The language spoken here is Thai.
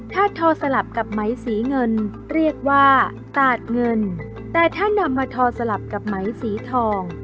ถ้าทอสลับกับไหมสีเงินเรียกว่าตาดเงินแต่ถ้านำมาทอสลับกับไหมสีทอง